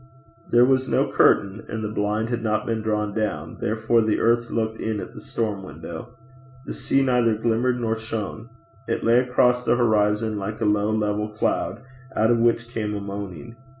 There was no curtain, and the blind had not been drawn down, therefore the earth looked in at the storm window. The sea neither glimmered nor shone. It lay across the horizon like a low level cloud, out of which came a moaning.